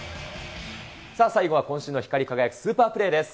さあ、最後は今週の光り輝くスーパープレーです。